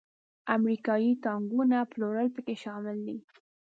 امریکایي ټانکونو پلورل پکې شامل دي.